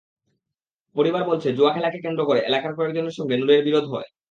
পরিবার বলছে, জুয়া খেলাকে কেন্দ্র করে এলাকার কয়েকজনের সঙ্গে নূরের বিরোধ হয়।